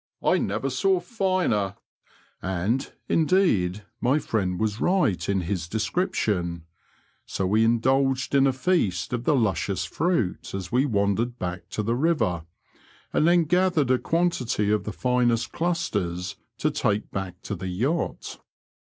I never saw finer;" and, indeed, my Mend was right in his description ; so we indulged in a feast of the luscious fruit as we wandered back to the river, and then gathered a quantity of the finest clusters to take back to the yacht.